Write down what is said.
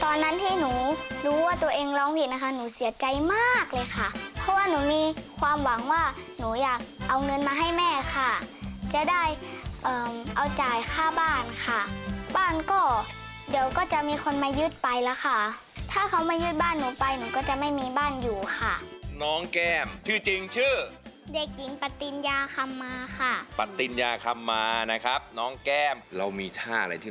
ตอนนั้นที่หนูรู้ว่าตัวเองร้องผิดนะคะหนูเสียใจมากเลยค่ะเพราะว่าหนูมีความหวังว่าหนูอยากเอาเงินมาให้แม่ค่ะจะได้เอ่อเอาจ่ายค่าบ้านค่ะบ้านก็เดี๋ยวก็จะมีคนมายืดไปแล้วค่ะถ้าเขามายึดบ้านหนูไปหนูก็จะไม่มีบ้านอยู่ค่ะน้องแก้มชื่อจริงชื่อเด็กหญิงปติญญาคำมาค่ะปติญญาคำมานะครับน้องแก้มเรามีท่าอะไรที่